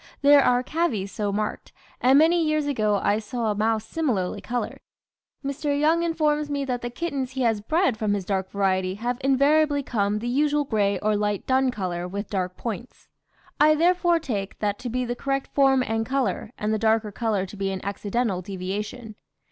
There are cavies so marked; and many years ago I saw a mouse similarly coloured. Mr. Young informs me that the kittens he has bred from his dark variety have invariably come the usual gray or light dun colour with dark points. I therefore take that to be the correct form and colour, and the darker colour to be an accidental deviation.